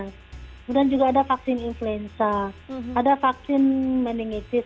kemudian juga ada vaksin influenza ada vaksin meningitis